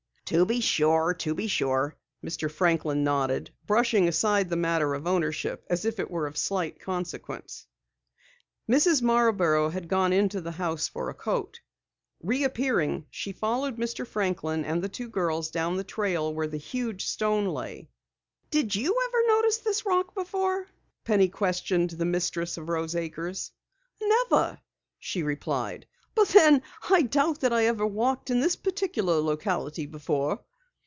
"To be sure, to be sure," Mr. Franklin nodded, brushing aside the matter of ownership as if it were of slight consequence. Mrs. Marborough had gone into the house for a coat. Reappearing, she followed Mr. Franklin and the two girls down the trail where the huge stone lay. "Did you ever notice this rock?" Penny questioned the mistress of Rose Acres. "Never," she replied, "but then I doubt that I ever walked in this particular locality before."